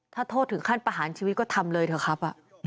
ถ้าโทษถึงขั้นประหารชีวิตก็ทำเลยเถอะครับ